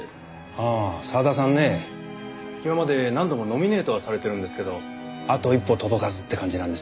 ああ澤田さんね。今まで何度もノミネートはされてるんですけどあと一歩届かずって感じなんですよねえ。